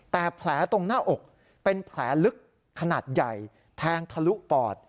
แต่แผลตรงหน้าอกเป็นแผลลึกขนาดใหญ่แทงทะลุปอด